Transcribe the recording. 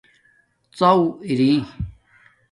ڎݸ اری